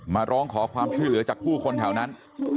มาร้องขอความช่วยเหลือจากผู้คนแถวนั้น